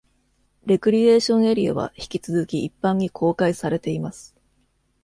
レクリエーションエリアは引き続き一般に公開されています。